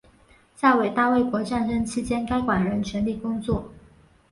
在伟大卫国战争期间该馆仍全力工作。